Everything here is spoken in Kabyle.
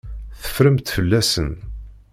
Teffremt fell-asen.